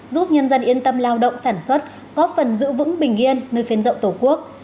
giúp nhân dân yên tâm lao động sản xuất góp phần giữ vững bình yên nơi phên rậu tổ quốc